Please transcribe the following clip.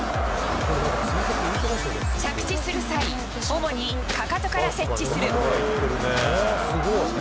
着地する際、主にかかとから接地する。